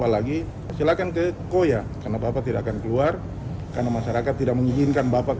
lagi silakan ke koya karena bapak tidak akan keluar karena masyarakat tidak mengizinkan bapak ke